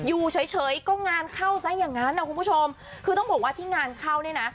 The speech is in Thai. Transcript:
อยู่เฉยเฉยก็งานเข้าซะอย่างนั้นนะคุณผู้ชมคือต้องบอกว่าที่งานเข้าเนี่ยนะ